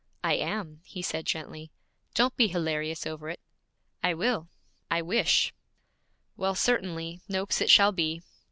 'I am,' he said gently. 'Don't be hilarious over it.' 'I will; I wish ' 'Well, certainly; "Noakes" it shall be.'